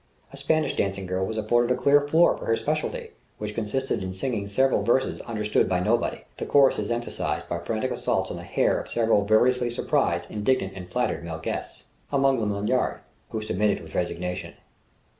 A Spanish dancing girl was afforded a clear floor for her specialty, which consisted in singing several verses understood by nobody, the choruses emphasized by frantic assaults on the hair of several variously surprised, indignant, and flattered male guests among them Lanyard, who submitted with resignation....